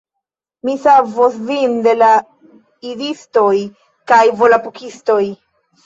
Mi savos vin de la Idistoj kaj Volapukistoj